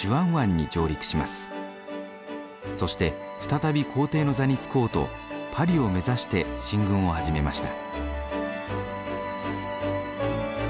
そして再び皇帝の座につこうとパリを目指して進軍を始めました。